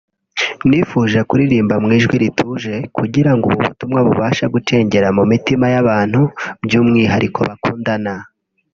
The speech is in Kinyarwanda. nifuje kuririmba mu ijwi rituje kugira ngo ubu butumwa bubashe gucengera mu mitima y’abantu by’umwihariko bakundana”